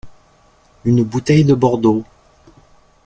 Une bouteille de Bordeaux.